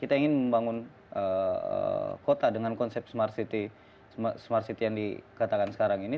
kita ingin membangun kota dengan konsep smart city yang dikatakan sekarang ini